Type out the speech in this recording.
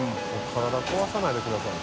体壊さないでください。